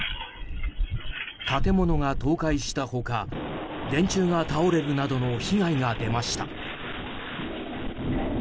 建物が倒壊した他、電柱が倒れるなどの被害が出ました。